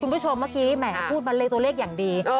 คุณผู้ชมเมื่อกี้แหมพูดบันเลขตัวเลขอย่างดี